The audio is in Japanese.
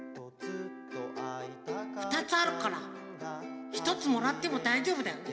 ふたつあるからひとつもらってもだいじょうぶだよね。